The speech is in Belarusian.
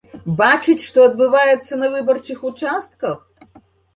Бачыць, што адбываецца на выбарчых участках?